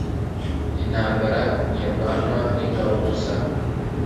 intambara ntirwanwa n'ingabo gusa